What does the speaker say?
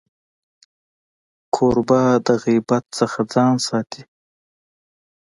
کوربه د غیبت نه ځان ساتي.